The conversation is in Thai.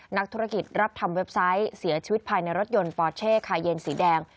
นักธุรกิจรับทำเว็บไซต์เสียชีวิตภายในรถยนต์ปอเช่คาเย็นสีแดง